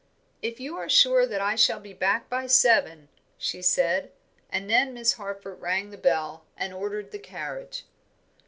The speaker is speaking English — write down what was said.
"If you are sure that I shall be back by seven," she said; and then Miss Harford rang the bell and ordered the carriage.